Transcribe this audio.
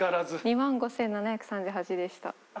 ２万５７３８でした。